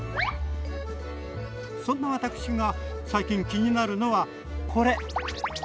そんな私が最近気になるのはこれ。